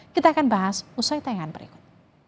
kita akan bahas usai tayangan berikut